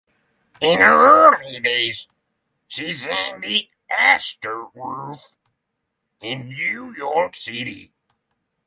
In her early days, she sang at the "Astor Roof" in New York City.